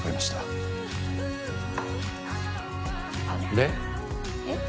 で？えっ？